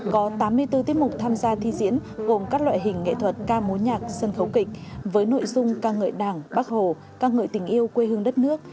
có tám mươi bốn tiết mục tham gia thi diễn gồm các loại hình nghệ thuật ca mối nhạc sân khấu kịch với nội dung ca ngợi đảng bắc hồ ca ngợi tình yêu quê hương đất nước